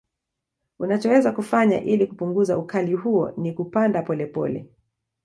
Unachoweza kufanya ili kupunguza ukali huo ni kupanda pole pole